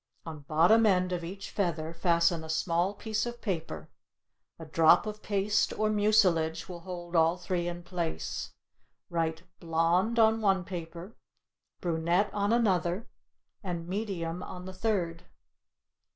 On bottom end of each feather fasten a small piece of paper; a drop of paste or mucilage will hold all three in place. Write "blonde" on one paper; "brunette," on another, and "medium" on the third.